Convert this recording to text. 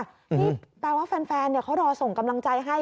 นี่แปลว่าแฟนเขารอส่งกำลังใจให้